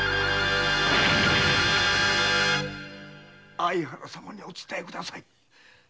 相原様にお伝えください。